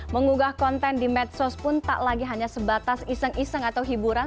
mengunggah konten di medsos pun tak lagi hanya sebatas iseng iseng atau hiburan